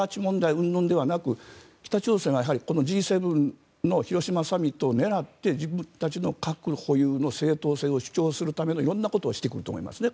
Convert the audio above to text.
うんぬんではなく北朝鮮はこのＧ７の広島サミットを狙って自分たちの核保有の正当性を主張するための色んなことをしてくると思いますね。